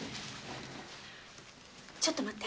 ちょっと待って。